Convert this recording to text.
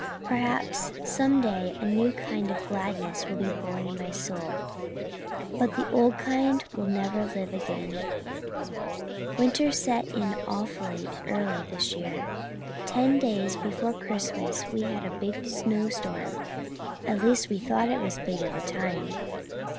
Perhaps some day a new kind of gladness will be born in my soul but the old kind will never live again. "Winter set in awfully early this year. Ten days before Christmas we had a big snowstorm at least we thought it big at the time.